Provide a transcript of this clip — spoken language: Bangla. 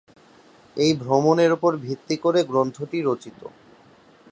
এই ভ্রমণের ওপর ভিত্তি করে গ্রন্থটি রচিত।